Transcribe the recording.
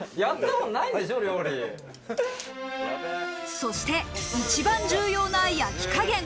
そして一番重要な焼き加減。